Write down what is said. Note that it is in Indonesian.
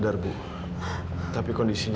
kamil lah nggak rijet